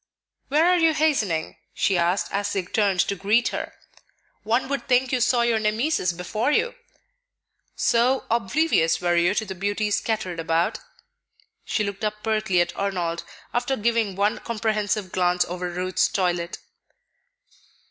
"Where are you hastening?" she asked as they turned to greet her. "One would think you saw your Nemesis before you, so oblivious were you to the beauties scattered about." She looked up pertly at Arnold, after giving one comprehensive glance over Ruth's toilet.